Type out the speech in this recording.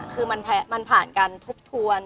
คือมันผ่านการทบทวน